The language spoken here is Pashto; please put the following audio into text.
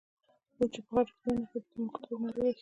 اوس چې په خټو کې ونښتې د ملګرتوب نارې وهې.